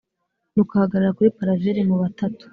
nuko ahagarara kuri palaver mu batatu.